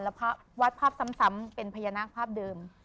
แล้ววาดภาพซ้ำเป็นพญานาคภาพเดิม